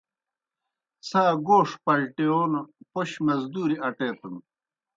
څھا گوݜ پلٹِیون پوْش مزدوریْ اٹیتَن۔